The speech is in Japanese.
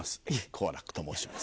好楽と申します。